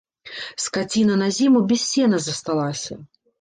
Скаціна на зіму без сена засталася.